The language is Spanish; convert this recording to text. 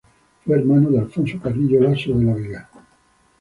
Fue hermano de Alfonso Carrillo Lasso de la Vega.